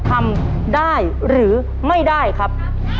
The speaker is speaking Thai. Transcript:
ทำได้หรือไม่ได้ครับ